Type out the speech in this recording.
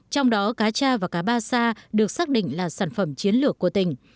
trong đó cá tra và cá ba sa được xác định là sản phẩm chiến lược của tỉnh